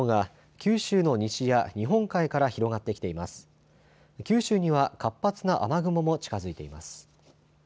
九州には活発な雨雲も近づいています。